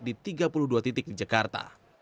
di tiga puluh dua titik di jakarta